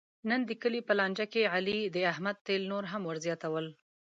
نن د کلي په لانجه کې علي د احمد تېل نور هم ور زیاتول.